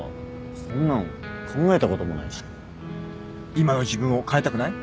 今の自分を変えたくない？